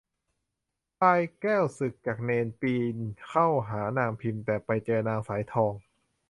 พลายแก้วสึกจากเณร ปีนเข้าหานางพิม แต่ไปเจอนางสายทอง